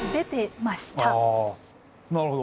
なるほど。